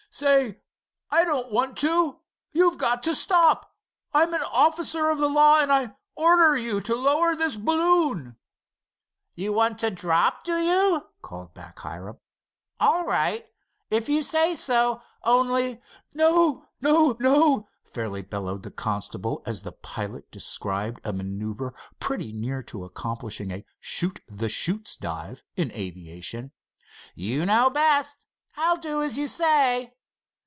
"Say, I don't want to! You've got to stop! I'm an officer of the law and I order you to lower this balloon." "You want to drop, do you?" called back Hiram, "All right, if you say so, only——" "No! no! no!" fairly bellowed the constable, as the pilot described a manœuvre pretty near to accomplishing a "shoot the chutes" dive in aviation. "You know best. I'll do as you say."